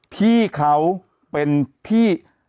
พี่เขาเป็นพี่